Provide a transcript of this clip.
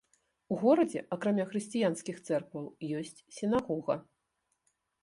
У горадзе, акрамя хрысціянскіх цэркваў, ёсць сінагога.